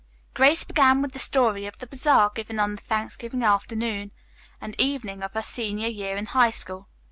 Grace began with the story of the bazaar given on the Thanksgiving afternoon and evening of her senior year in high school.